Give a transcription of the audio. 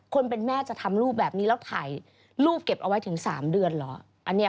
คนเป็นแม่จะทำรูปแบบนี้แล้วถ่ายรูปเก็บเอาไว้ถึง๓เดือนเหรอ